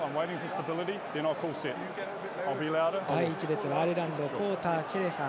第１列はアイルランドポーター、ケレハー